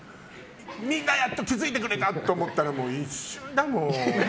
みんなやっと気づいてくれたと思ったら一瞬だもん。